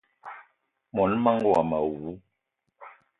Mon manga womo awou!